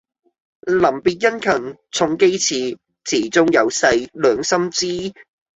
臨別殷勤重寄詞，詞中有誓兩心知。